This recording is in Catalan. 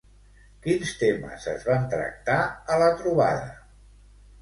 Quins temes es van tractar a la trobada?